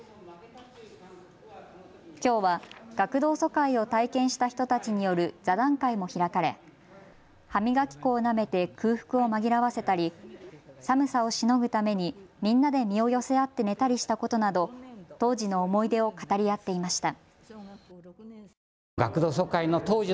きょうは学童疎開を体験した人たちによる座談会も開かれ歯磨き粉をなめて空腹を紛らわせたり寒さをしのぐためにみんなで身を寄せ合って寝たりしたことなど、当時の思い出を語り合っていました。